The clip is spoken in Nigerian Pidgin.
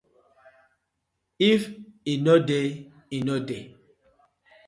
If e didnʼt dey, e didnʼt dey.